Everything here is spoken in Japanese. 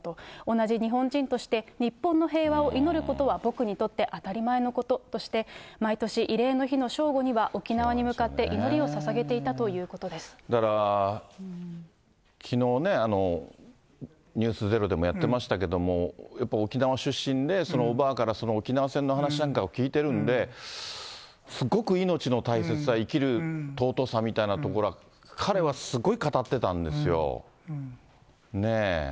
同じ日本人として、日本の平和を祈ることは、僕にとって当たり前のこととして、毎年、慰霊の日の正午には沖縄に向かって祈りをささげていたということだからきのうね、ｎｅｗｓｚｅｒｏでもやってましたけども、やっぱり沖縄出身で、おばあから沖縄戦の話なんかを聞いてるんで、すごく命の大切さ、生きる尊さみたいなところは彼はすごい語ってたんですよ。